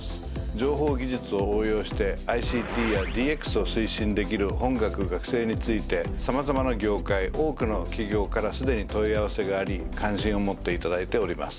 情報技術を応用してＩＣＴやＤＸを推進できる本学学生について様々な業界多くの企業からすでに問い合わせがあり関心を持って頂いております。